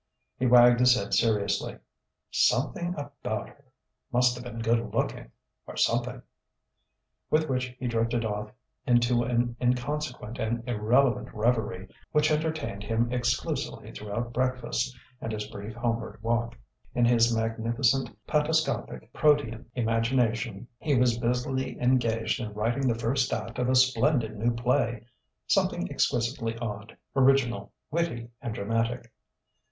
He wagged his head seriously. "Something about her!... Must've been good looking ... or something...." With which he drifted off into an inconsequent and irrelevant reverie which entertained him exclusively throughout breakfast and his brief homeward walk: in his magnificent, pantoscopic, protean imagination he was busily engaged in writing the first act of a splendid new play something exquisitely odd, original, witty, and dramatic.